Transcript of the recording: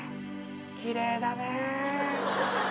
きれいだね。